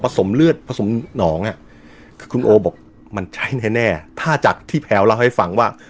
สมเลือดผสมหนองอ่ะคือคุณโอบอกมันใช่แน่ถ้าจากที่แพลวเล่าให้ฟังว่า